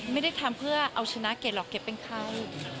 ไม่ได้ทำเพื่อเอาชนะเกดหรอกเกรดเป็นเขา